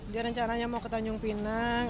dia rencananya mau ke tanjung pinang